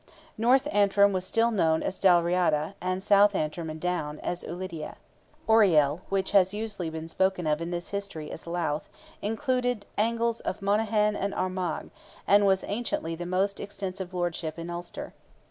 North Antrim was still known as Dalriada, and South Antrim and Down, as Ulidia. Oriel, which has been usually spoken of in this history as Louth, included angles of Monaghan and Armagh, and was anciently the most extensive lordship in Ulster.